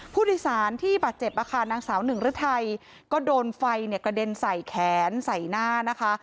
ผู้โดยสารที่บาดเจ็บนางสาวหนึ่งฤทัยก็โดนไฟเนี่ยกระเด็นใส่แขนใส่หน้านะคะ